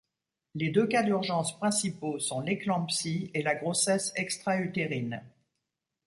Les deux cas d'urgence principaux sont l'éclampsie et la grossesse extra-utérine.